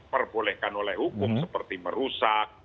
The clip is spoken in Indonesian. perbolehkan oleh hukum seperti merusak